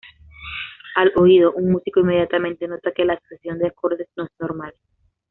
Al oído, un músico inmediatamente nota que la sucesión de acordes no es normal.